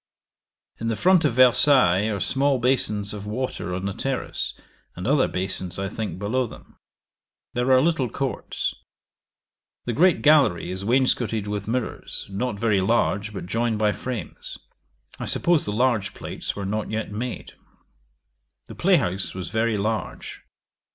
In the front of Versailles are small basons of water on the terrace, and other basons, I think, below them. There are little courts. The great gallery is wainscotted with mirrors, not very large, but joined by frames. I suppose the large plates were not yet made. The play house was very large.